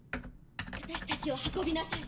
私たちを運びなさい